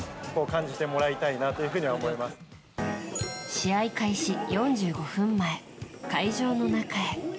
試合開始４５分前、会場の中へ。